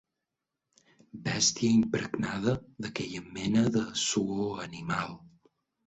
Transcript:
Bèstia impregnada d'aquella mena de suor animal.